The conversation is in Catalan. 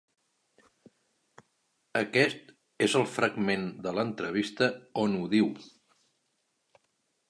Aquest és el fragment de l’entrevista on ho diu.